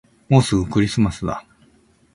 もうすぐクリスマスだ